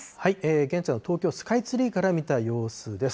現在の東京スカイツリーから見た様子です。